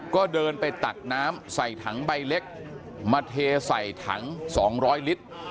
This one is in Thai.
ก็เดินไปตักน้ำใส่ถังใบเล็กมาเทใส่ถัง๒๐๐ลิตร